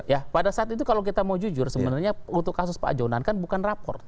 ya pada saat itu kalau kita mau jujur sebenarnya untuk kasus pak jonan kan bukan rapor